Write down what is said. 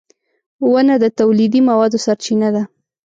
• ونه د تولیدي موادو سرچینه ده.